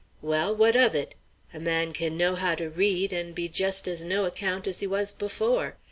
Well, what of it? A man can know how to read, and be just as no account as he was before.